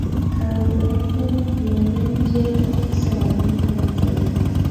kauli yake floren jerry afisa wa umoja mataifa